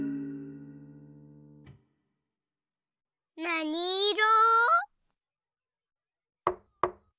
なにいろ？